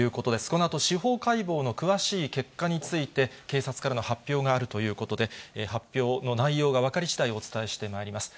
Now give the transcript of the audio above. このあと司法解剖の詳しい結果について、警察からの発表があるということで、発表の内容が分かりしだい、お伝えしてまいります。